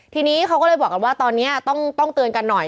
ทีนี้เขาก็เลยบอกกันว่าตอนนี้ต้องเตือนกันหน่อย